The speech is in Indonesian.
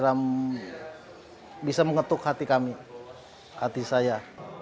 orang yang bisa mengetuk hati kami hati saya